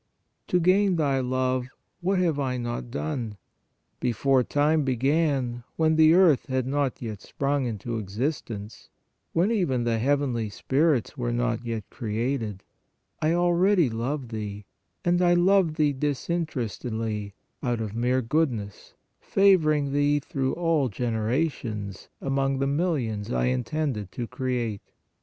To gain thy love, what have I not done? Before time began, when the earth had not yet sprung into existence, when even the heav enly spirits were not yet created, I already loved thee; and I loved thee disinterestedly, out of mere goodness, favoring thee through all generations among the millions I intended to create."